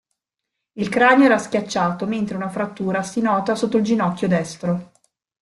Il cranio era schiacciato mentre una frattura si nota sotto il ginocchio destro.